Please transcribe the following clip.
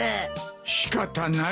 仕方ない。